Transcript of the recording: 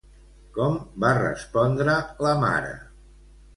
Com va respondre la mare?